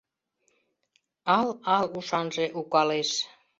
Ал ал ушанже укалеш.